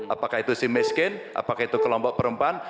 apakah itu si miskin apakah itu kelompok perempuan